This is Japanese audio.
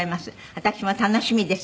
私も楽しみです。